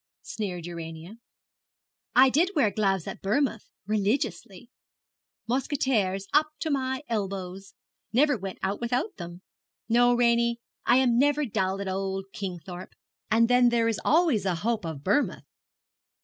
sneered Urania. 'I did wear gloves at Bournemouth, religiously mousquetaires, up to my elbows; never went out without them. No, Ranie, I am never dull at old Kingthorpe; and then there is always a hope of Bournemouth.'